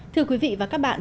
thưa quý vị và các bạn